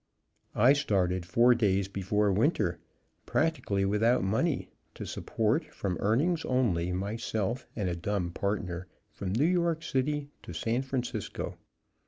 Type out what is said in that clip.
I started four days before winter, practically without money, to support, from earnings only, myself and dumb partner from New York city to San Francisco.